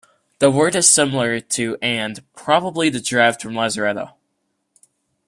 The word is similar to and probably derived from lazaretto.